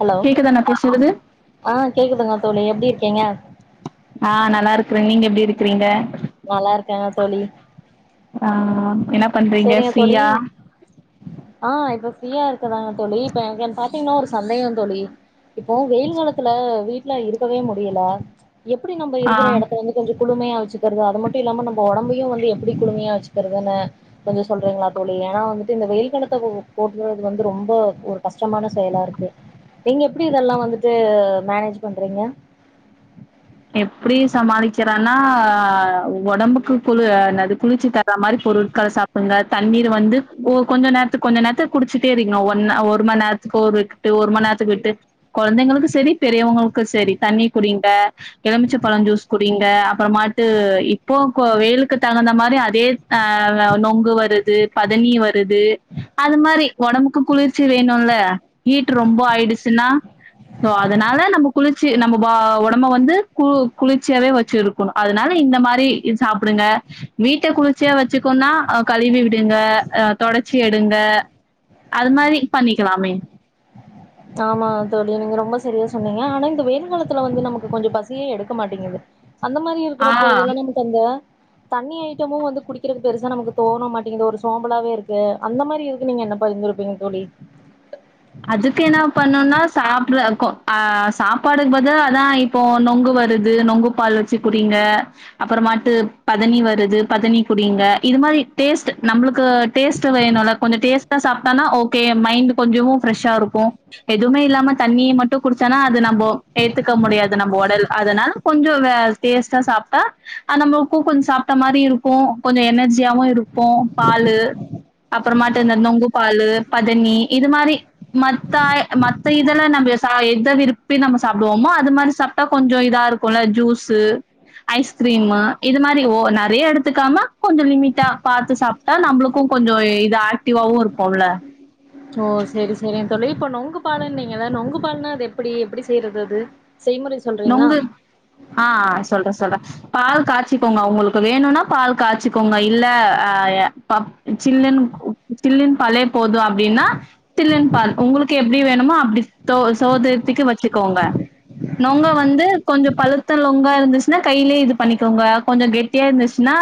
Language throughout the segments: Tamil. ஹலோ கேக்குதா நா பேசுறது ஆ கேக்குதுங்க தோழி எப்டி இருக்கீங்க ஆ நல்லா இருக்குற நீங்க எப்டி இருக்கிறீங்க நல்லா இருக்கேங்க தோழி ஆ என்னா பண்றீங்க செரிங்க தோழி ஃப்ரீயா ஆ இப்ப ஃப்ரீயா இருக்குறாங்க தோழி இப்ப எனக் என் பாத்தீங்ன்னா ஒரு சந்தேகம் தோழி இப்போ வெயில் காலத்துல வீட்ல இருக்கவே முடியல எப்டி நம்ப ஆ இருக்கிற எடத்த வந்து கொஞ்சம் குளுமையா வச்சு க்கிறது அது மட்டும் இல்லாம நம்ம ஒடம்பையும் வந்து எப்டி குளுமையா வச்சுக்கிறதுன்னே கொஞ்சம் சொல்றீங்ளா தோழி ஏன்னா வந்துட்டு இந்த வெயில் காலத்த போட்டுகிறது வந்து ரொம்ப ஒரு கஷ்டமான செயலா இருக்கு நீங்க எப்டி இதெல்லா வந்துட்டு மேனேஜ் பண்றீங்க எப்டி சமாளிக்கறனா ஒடம்புக்கு குளு ஆ நேது குளிர்ச்சி தர மாரி பொருட்கள சாப் ட்டு வந்தா தண்ணீர் வந்து ஒ கொஞ்சம் நேரத்துக் கொஞ்ச நேரத்துக் குடிச்சுட்டே இருக்கணும் ஒன்னு ஒரு மண் நேரத்துக்கு ஒரு விட்டு ஒரு மணி நேரத்துக்கு விட்டு கொழந்தைங்களுக்கு சேரி பெரியவங்களுக்கு சேரி தண்ணி குடிங்க எலுமிச்ச பழம் ஜூஸ் குடிங்க அப்புறமாட்டு இப்போ வெய்லுக்கு தகுந்த மாரி அட் டே அ நொங்கு வருது பதனி வருது அது மாரி ஒடம்புக்கும் குளிர்ச்சி வேணும்ல ஹீட் ரொம்ப ஆயிடுச்சுன்னா சோ அதனால நம்ம குளிர்ச்சி நம்ம ஒ ஒடம்ப வந்து கு குளிர்ச்சியாவே வச்சுருக்கணும் அதனால இந்த மாரி சாப்பிடுங்க வீட்ட குளிர்ச்சியா வச்சுக்கோன்னா அ கழுவி விடுங்க அ தொடச்சி எடுங்க அது மாரி பண்ணிக்கலாமே ஆமா தோழி நீங்க ரொம்ப சரியா சொன்னீங்க ஆனா இந்த வெயில் காலத்துல வந்து நமக்கு கொஞ்சோ பசியே எடுக்க மாட்டேங்குது அந்த மாரி இருக்கிற ஆ பொழுதுல்லா நமக்கு அந்த தண்ணி ஐட்டமும் வந்து குடிக்கிறதுக்கு பெருசா நமக்கு தோண மாட்டேங்குது ஒரு சோம்பலாவே இருக்கு அந்த மாரி இருக்கு நீங்க என்ன பண்ணி [unintelligible] தோழி அதுக்கு என்ன பண்ணம்னா சாப்பிட கொ ஆ சாப்பாடுக்கு பத அதாய் இப்போ நொங்கு வருது நொங்கு பால் வச்சு குடிங்க அப்புறமாட்டு பதனி வருது பதனி குடிங்க இது மாரி டேஸ்ட் நம்மளுக்கு டேஸ்ட் வேணும்ல கொஞ்சம் டேஸ்ட்டா சாப்பிட்டானா ஓகே மைண்ட் கொஞ்சோ ஃபிரஷ்ஷா இருக்கும் எதுவுமே இல்லாம தண்ணிய மட்டும் குடிச்சன்னா அது நம்ம ஏத்துக்க முடியாது நம்ம உடல் அதனால கொஞ்சோ வே டேஸ்ட்டா சாப்ட்டா அ நம்மளுக்கு கும் சாப்பிட்ட மாரி இருக்கு கொஞ்சௌ எனர்ஜியாவு இருக்கும் பால் அப்புறமாட்டு இந்த நொங்கு பாலு பதனி இது மாரி மத்தாய் மத்த இதெல நம்ம எதை விருப்பி நம்ம சாப்பிடுவோமோ அது மாரி சாப் ட்டா கொஞ்சோ இதா இருக்கும்ல ஜூஸ் ஐஸ்கிரீமு இது மாரி ஓ நிறைய எடுத்துக்காம கொஞ்சோ லிமிட்டா பாத்து சாப்ப நம்மளுக்கு கொஞ்சோ இது ஆக்டிவாவு இருப்போம்ல ஓ சேரி சேரி [unintelligible] இப்ப நொங்கு பாலுநீங்கள நொங்கு பால்னா அது எப்படி எப்படி செய்யறது அது செய்முறை சொல்றீங்களா நொங்கு ஆஹ் சொல்றே சொல்றே பால் காய்ச்சிக்கோங்க உங்களுக்கு வேணும்னா பால் காய்சிக்கோங்க இல்ல அஹ் கப் சில்லுனு ஜில்லுனு பாலே போது அப்டின்னா தில்லுன்னு பால் உங்களுக்கு எப்படி வேணுமோ அப்படி சோதரியத்துக்கு வச்சுக்கோங்க நொங்க வந்து கொஞ்சோ பழுத்த லொங்கா இருந்துச்சுன்னா கையிலயே இது பண்ணிக்கோங்க கொஞ்சோ கெட் தேர்ந்துச்சுன்னா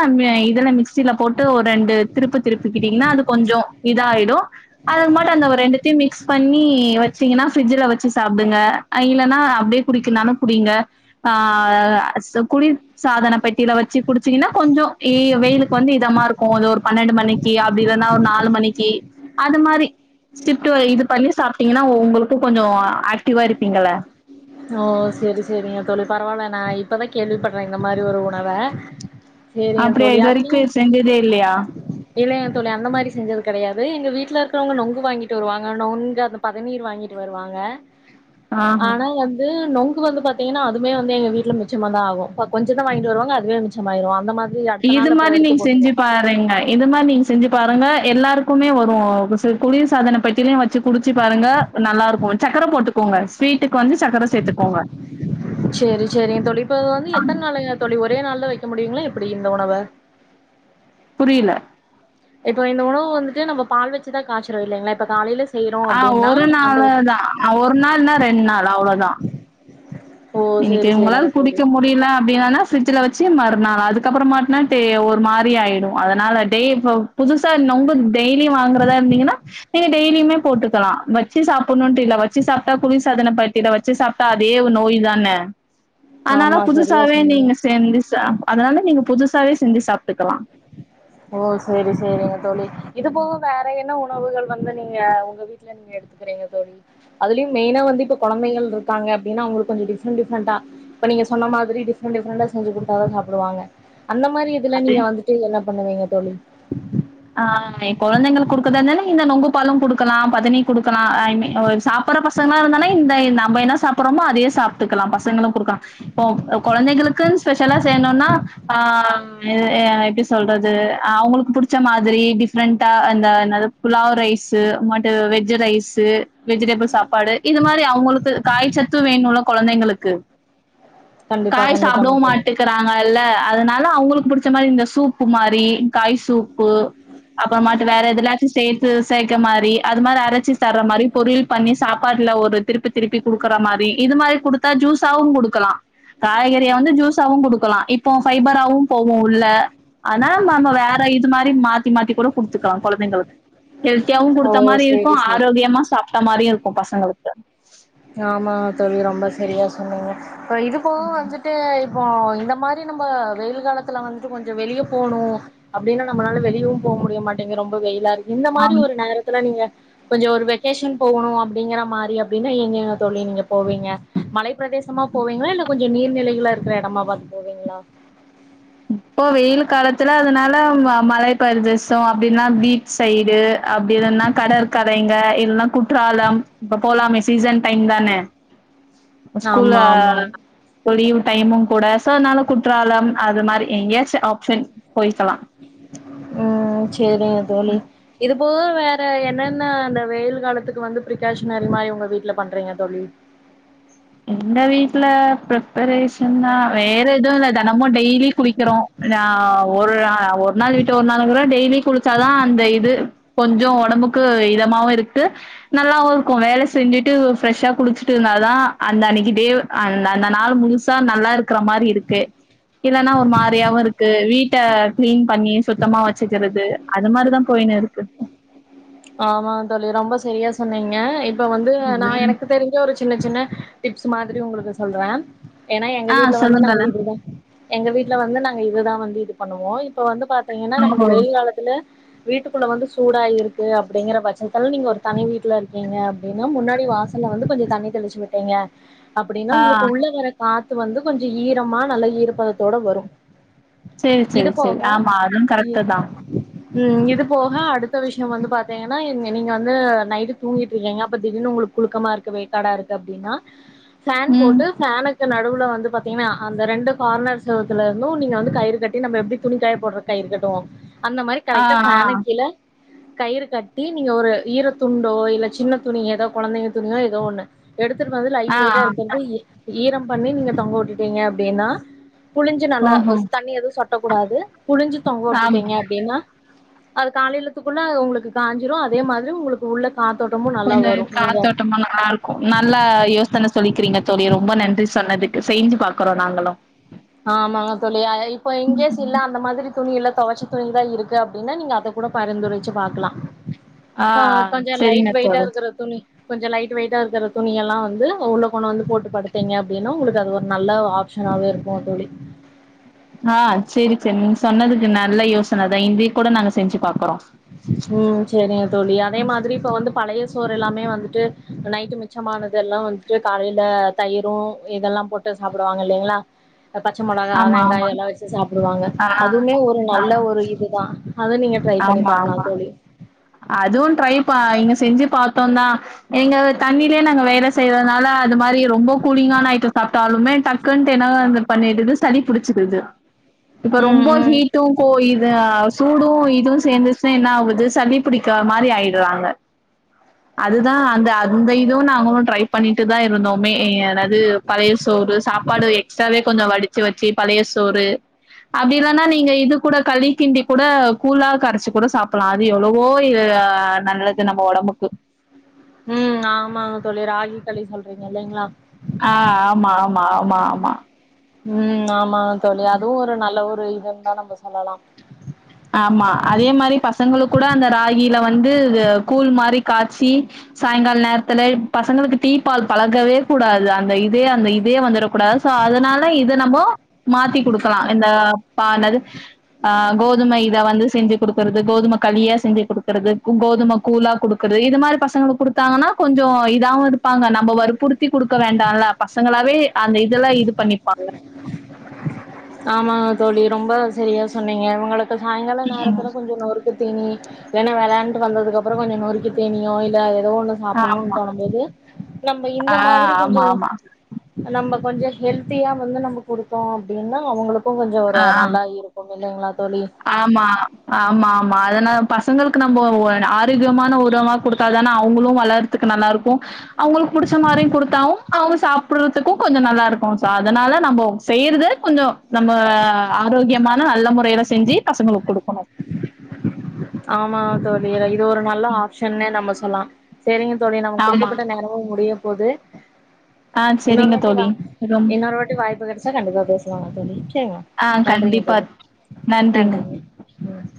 இதுல மிக்சியில போட்டு ஒரு ரெண்டு திருப்பு திருப்பிக்கிட்டீங்கன்னா அது கொஞ்சோ இதாயிடு அத மட்டு அந்த ரெண்டுத்தையு மிக்ஸ் பண்ணி வச்சீங்கன்னா ஃபரிட்ஜல வச்சு சாப்பிடுங்க இல்லன்னா அப்டியே குடிக்குனானு நா குடிங்க ஆஹ் குடி சாதன பெட்டியில வச்சு குடிச்சீங்கன்னா கொஞ்சோ வெயிலுக்கு வந்து இதமா இருக்கு கொஞ்சோ அ ஒரு பன்னெண்டு மணிக்கு அப்டி இல்லன்னா ஒரு நாலு மணிக்கு அது மாரி ஸ்டிப்ட் இது பண்ணி சாப்பிட்டீங்கன்னா உங்களுக்கு கொஞ்சோ ஆக்டிவா இருப்பீங்கள ஓ சேரி சேரிங்க தோழி பரவாயில்ல நா இப்பதா கேள்வி படுறே இந்த மாரி ஒரு உணவ சேரிங்க அப்டியா தோழி இது வரைக்கு அதலியு செஞ்சதே இல்லையா இல்லையங்க தோழி அந்த மாரி செஞ்சது கிடையது எங்க வீட்ல இருக்கவங்க நொங்கு வாங்கிட்டு வருவாங்க நொங்கு அந்த பதநீர் வாங்கிட்டு வருவாங்க ஆஹா ஆனா வந் நொங்கு வந்து பாத்தீங்கன்னா அதுமே வந்து எங்க வீட்ல மிச்சமா தா ஆகும் கொஞ்சோ தா வாங்கிட்டு வருவாங்க அதுவே மிச்சமாயிரு அந்த மாரி இது மாரில்லு நீங்க செஞ்சு பா [unintelligible] இது மாதிரி நீங்க செஞ்சு பாருங்க எல்லாருக்குஒரு குளிர் சாதனை பட்டியிலையும் வச்சு குடிச்சு பாருங்க நல்லா இருக்கு சக்கர போட்டுக்கோங்க ஸ்வீட்டுக்கு வந்து சக்கர சேத்துக்கோங்க சேரி சேரி தோழி இப்ப வந்து எத்தன நாளயா தோழி ஒரே நாள்ல தா வைக்க முடியுங்களா எப்படி இந்த உணவ புரியல இப்போ இந்த உணவு வந்துட்டு நம்ம பால் வச்சுதா காய்ச்சரது இல்லைங்களா இப்ப காலையில செய்றோ ஆஹ் அப்டின்னா ஒரு அந்த நாளதா ஒரு நாள்ன்னா ரெண்டு நாள் அவ்வளோதா [inaudible] இன்னைக்கு சேரி உங்களால சேரிங்க தோழி குடிக்க முடியு அப்டின்னா அப்படின்னான்னா பிரிட்ஜில வச்சி மறுநாள் அதுக்கப்பறோ மாட்னா தே ஓ ஒரு மாரி ஆயிடு அதனால டே புதுசா நொங்கு டெய்லியு வாங்கறதா இருந்தீங்கன்னா நீங்க டெய்லியுமே போட்டுக்கலா வச்சி சாப்புண்ணுட்டு இல்ல வச்சி சாப்ட்டா குளிர்சாதன ப இத வச்சு சாப்ட்டா அதே நோய் தான அதனால ஆமா சரியா புதுசாவே சொன்னீங்க நீங்க செச்சி சாப் அதனால நீங்க புதுசாவே செஞ்சி சாப்ட்டுக்கலா ஓ சேரி சேரிங்க தோழி இது போக வேற என்ன உணவுகள் வந்து நீங்க உங்க வீட்டுல நீங்க எடுத்துக்கறீங்க தோழி அதுலயு மெயின்னா வந்து இப்ப கொழந்தைகள் இருக்கா அப்டின்ன அவங்களுக்கு கொஞ்சோ டிஃரெண்ட் டிஃப்ரெண்ட்டா இப்ப நீங்க சொன்ன மாதிரி டிப்ரெண்டா டிஃரெண்டா செஞ்சு குடுத்தாதா சாப்புடுவாங்க அந்த மாரி இதுல அது நீங்க வந்துட்டு என்ன பண்ணுவீங்க தோழி ஆ எ கொழந்தைங்களுக்கு குடுக்கறதா இருந்தாலு இந்த நொங்கு பழோ குடுக்கலா பதனி குடுக்கலா ஐ மி அவளுக்கு சா ப்பர பசங்களா இருந்தானே இந்த நம்ப என்ன சாப்பற்றோமோ அதே சாப்ட்டுக்கலா பசங்களு குடுக்கா இப்போ கொழந்தைகளுக்கு ஸ்பெஷலா செய்யணுன்னா ஆ வ் ஆ எப்டி சொல்றது அவுங்களுக்கு புடி ச்ச மாதிரி டிஃப்ரெண்டா அந்த என்னாது pulao rice [unintelligible] veg rice vegetable சாப்பாடு இது மாரி அவுங்களுக்கு காயி சத்து வேணுல்ல கொந்தைங்களுக்கு கண்டிப்பா காய் கண்டிப்பாங்க சாப்படுவு தோழி மாட்டிக் கறாங்கல்ல அதனால அவுங்களுக்கு பிடிச்ச மாரி இந்த சூப்பு மாரி காய் சூப்பு அப்பறமாட்டு வேற எதுலாச்சு சே ர்க்க மாரி அது மாரி அரைச்சு சர்ற மாரி பொரியல் பண்ணி சாப்பாட்டுல ஒரு திருப்பி திருப்பி குடுக்கற மாரி இது மாரி குடுத்தா ஜூஸாவு குடுக்கலா காய்கறிய வந்து ஜூஸாவு குடுக்கலா இப்போ ஃபைபராவு போவு உள்ள அனா நம்ம வேற இது மாரி மாத்தி மாத்தி கூட குடுத்துக்கலா கொழந்தைங்களுக் ஹெல்த்தியாவு குடுத்த ஓ மாரி இருக்கு சேரி சேரி ஆரோக்கியமா சாப்ட்ட மாரியு இருக்கு பசங்களுக்கு ஆமா தோழி ரொம்ப செரியா சொன்னீங்க அப்றோ இதுக்கூ வந்துட் டு இப்போ இந்த மாரி நம்ப வெயில் காலத்துல வந்து கொஞ்சோ வெளிய போணு அப்டின்னா நம்மனால வெளியவு போக முடிய மாட்டேங்கு ரொம்ப வெயிலாருக் இந்த மாரி ஆமா. ஒரு நேரத்துல நீங்க கொஞ்சோ ஒரு வெக்கேஷன் போகணு அப்டிங்கிற மாரி அப்டின் னு எங்கங்க தோழி நீங்க போவீங்க மலைப் பிரதேசமா போவீங்களா இல்ல கொஞ் இல்ல நீர்நிலைகளா இருக்கற எடமா பாத்து போ இப்போ வெயில் காலத்துல அதனால ம மலை பர்தேசோ அப்டில்லா பீச் சைடு அப்டில்லனா கடற்கரைங்க இல்லனா குற்றாலம் இப்ப போலாமே சீசன் டைம் தான ஸ்கூல்ல ஆமா ஆமாங்க இபோ லீவ் டைமு கூட சோ அதுநால குற்றாலம் அது மாரி எங்கயாச்சு ஆப்ஷன் போய்க்கலா ம் சேரிங்க தோழி இது ப்போக வேற என்னன்ன அந்த வெயில் காலத்துக்கு வந்து பிரிகாஷனரி மா உங்க வீட்டுல பண்றீங்க தோழி எங்க வீட்ல பிரிப்பரேஷன்னா வேற எதுவு இல்ல தெனமும் டெய்லி குளிக்கறோ நா ஒரு அ ஒரு நாள் விட்டு ஒரு நாள்ளுக்கூட டெய்லி குளிச்சாதா அந்த இது கொஞ்சோ ஒடம்புக்கு இ தமாவு இருக்கு நல்லாவு இருக்கு வேல செஞ்சுட்டு ஒரு ஃப்ரெஷ்ஷா குளிச்சுட்டு இருந்தா தா அந்த அன்னிக்கு டேவ் அந்த அந்த நாள் முழுசா நல்லா இருக்கற மாரி இருக்கு இல்லனா ஒரு மாரியாவு இருக்கு வீட்ட கிளீன் பண்ணி சுத்தமா வச்சிக்கறது அது மாரிதா போய்னு இருக்கு ஆமாங் தோழி ரொம்ப செரியா சொன்னீங்க இப்ப வந்து நா ம். எனக்கு தெரிஞ்ச ஒரு சின்ன சின்ன டிப்ஸ் மாதிரி உங்களுக்கு சொல்றே ஏனா எங்க ஆ வீட்ல வந்து நாங்க சொல்லுங்களேன். இப்படிதா எங்க வீட்ல வந்து நாங்க இதுதா வந்து இது பண்ணுவோ இப்ப வந்து பாத்தீங்கனா ஓ! நம்மள்க்கு வெயில் காலத் துல வீட்டுக்குள்ள வந்து சூடாயிருக் கு அப்டிங்கிற பட்சத்துல நீங்க ஒரு தனி வீட்ல இருக்கீங்க அப்டினா முன்னாடி வாசல்ல வந்து கொஞ்சோ தண்ணி தெளிச்சு விட் டீங்க அப்டினா ஆ. உங்களுக்கு உள்ள வர காத்து வந்து கொஞ்சோ ஈரமா நல்லா ஈரபதத்தோட வரு சேரி இது சேரி சேரி போக ஆமா அதும் இ கரெக்ட் தா ம் இது போக அடுத்த விஷ் யோ வந்து பாத்தீங்கனா இங்க நீங்க வந்து நைட்டு தூங்கிட்டுருக்கீங்க அப்போ திடீர்னு உங்களுக் புழுக்கமா இருக்கு வேக்காட இருக்கு அப்டினா [inaudible] ஃபேன் போட்டு ஃபேனுக் க்கு நடுவுல வந்து பாத்தீங்கன்னா அந்த ரெண்டு கார்னர்ஸ்ல இருக்குல இன்னு நீங்க வந்து கயிறு கட்டி நம்ம எப்டி துணிக்காய போட்ற கயிறு கட்டுவோ அந்த மாரி ஆ கரெக்டா ஃபேனுக் கீழ கயிறு கட்டி நீங்க ஒரு ஈர துண்டோ இல்ல சின்ன துணி ஏதோ கொழந்தைங்க துணியோ ஏதோ ஒண்ணு எடுத்துட்டு வந்து லைட் ஆ ஆ வெயிட்டா இருக்கறத ஈ ஈரம் பண்ணி நீங்க தொங்க உட்டுட்டீங்க அப்டினா புழிஞ்சு நல்லா ஓஹோ அஸ் தண்ணி எதுவு சொட்ட கூடாது புழிஞ்சு தொங்க வுட்டுட்டீங்க ஆமாங்க அப்டினா அது காலேலத்துக்குள்ள அது உங்களுக்கு காஞ்சிரு அதே மாதிரி உங்களு உள்ள காத்தோட்டமு நல்லா வரு நீங்க [unintelligible] நல்ல யோசன சொல்லிக்கிறீங்க தோழி ரொம்ப நன்றி சொன்னதுக்கு சேஞ்சு பாக்குறோ நாங்களு ஆமாங்க தோழி அ இப்ப இன் கேஸ் இல்ல அந்த மாதிரி துணி இல்ல தொவச்ச துணி தா இருக்கு அப்டினா நீங்க அத கூட பரிந்துரைச்சு பாக்கலா ஆ அ கொஞ்சோ லைட் சரிங்க வெயிட்டா தோழி இருக்ற துணி கொஞ்சோ லைட் வெயிட்டா இருக்கற துணியெல்லா வந்து உள்ள கொணந்து போட்டு படுத்தீங்க அப்டினா உங்களுக்கு அது ஒரு நல்ல ஆப் ஷனாவே இருக்கூ தோழி ஆ சேரி சேரி நீங்க சொன்னதுக்கு நல்ல யோசன தா இன்னிக் கூட நாங்க செஞ்சு பாக்குறோ ம் சேரிங்க தோழி அதே மாதிரி இப்ப வந்து பழய சோறு எல்லாமே வந்துட்டு நை மி ச்சமானதெல்லா வந்துட்டு காலைல தயிரு இதெல்லா போட்டு சாப்டுவாங்க இல்லைங்களா அ பச்ச மெளகா ஆமா ஆமா வெங்காயல்லா வச்சு சாப்டுவாங்க ஆ அதுமே ஒரு ஆ நல்ல ஒரு இதுதா அத நீங்க ட்ரை பண்ணி ஆமா பாக்கலா ஆமா தோழி அதுவு ட்ரை பா இங்க செஞ்சு பாத்தோந்தா இங்க தண்ணிலே நாங்க வேல செய்றனால அது மாரி ரொம்ப கூலிங்கான ஐட்டோ சாப்ட்டாலுமே டக் க்குன்ட் என்ன வந்து பண்ணிடுது சளி புடிச்சிடுது இப்ப ம் ரொம்ப ம் ஹீட்டு கோ இது ஆ சூடு இதுவு சேந்துச்சுன்னா என்ன ஆவுது சளி புடிக்க மாரி ஆயிடுறாங்க அதுதா அந்த அந்த இதுவு நாங்களு ட்ரை பண்ணிட்டு தா இருந்தோமே எ என்னது பழய சோறு சாப்பாடு எக்ஸ்ட்ராவே கொஞ்சோ வடிச்சு வச்சு பழய சோறு அப்டி இல்லன்னா நீங்க இது கூட களி கிண்டி கூட கூழா கரச்சு கூட சாப்புலா அது எவ்ளோ வோ இ அ நல்லது நம்ம ஒடம்புக்கு ம் ஆமாங்க தோழி ராகி களி சொல்றீங்க இல்லைங்களா ஆ ஆமா ஆமா ஆமா ஆமா ம் ஆமாங்க தோழி அதுவு ஒரு நல்ல ஒரு இதுன்‌தா நம்ம சொல்லலா ஆமா அதே மாரி பசங்களுக்கூட அந்த ராகில வந்துது கூழ் மாரி காச்சி சாயங்கால் நேரத்துல பசங்களுக்கு டீ பால் பழக்கவே கூடாது அந்த இதே அந்த இதே வந்துரக் கூடாது கோ அதனால இத நம்மோ மாத்தி குடுக்கலா இந்த பானல் அ கோ தும இத வந்து செஞ்சு குடுக்கறது கோதும களியா செஞ்சு குடுக்கறதுக்கு கோதும கூலா குடுக் கறது இது மாரி பசங்களுக் குடுத்தாங்கன்னா கொஞ்சோ இதாவு இருப்பாங்க நம்ம வற்புறுத்தி குடுக்க வேண்டால்லா பசங்களாவே அந்த இதெல்லா இது பண்ணிப்பாங்க ஆமா தோழி ரொம்ப சரியா சொன்னீங்க ஒங்களுக்கு சாயங்கால நேரத்துல கொஞ்சோ நொறுக் குத்தீனி ஏனா வெளாண்டு வந்ததுக்கு அப்புறோ கொஞ்சோ நொறுக்கி தீனியோ இல்ல ஏதோ ஒன்னு சாப்புட்ணு ஆமா. தோணும்போது நம்ம இந்த ஆ மாதிரி கொஞ்சோ ஆமா, ஆமா. நம்ப கொஞ்சோ ஹெல்த்தியா வந்து நம்ம குடுத்தோ அப்டின்னா அவங்களுக்கு கொஞ்சோ ஒரு ஆ, ஆ. நல்லா இருக் கு இல்லைங்களா தோழி ஆமா ஆமாமா அதனா பசங்களுக்கு நம்போ ஒ ஆரோக்கியமான உணவா குடுத்தாதான அவுங்களு வளர்துக்கு நல்லா இருக்கு அவுங்களுக் புடிச்ச மாரியு குடுத்தாவு அவுங்க சாப் ப்புடுறதுக்கு கொஞ்சோ நல்லா இருக்கு சோ அதனால நம்மோ செய்றது கொஞ்சோ நம்ம ஆரோக்கியமான நல்ல முறையில செ ஞ்சி பசங்களுக்கு குடுக்கணு ஆமா தோழி இது ஒரு நல்ல ஆப்ஷன்னே நம்ம சொல்லா செரிங்க தோழி நமக் ஆமா. குடுக்கப்பட்ட நேரமு முடிய போது ஆ இன்னொரு சரிங்க வாட்டி வா தோழி. ரொம் இன்னொரு வாட்டி வாய்ப்பு கெடச்சா கண்டிப்பா பேசலாமா தோழி செரிங்கமா ஆ நன்றிங்க கண்டிப்பா. தோழி நன்றிங்க ம்